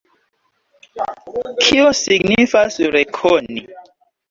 Kio signifas rekoni?